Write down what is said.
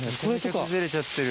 崩れちゃってる。